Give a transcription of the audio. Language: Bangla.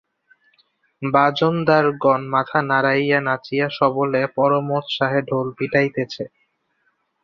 বাজনদারগণ মাথা নাড়াইয়া নাচিয়া সবলে পরমোৎসাহে ঢোল পিটাইতেছে।